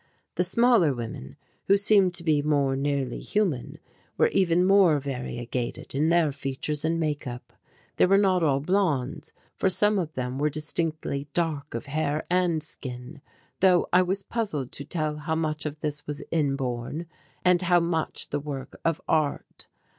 The smaller women, who seemed to be more nearly human, were even more variegated in their features and make up. They were not all blondes, for some of them were distinctively dark of hair and skin, though I was puzzled to tell how much of this was inborn and how much the work of art.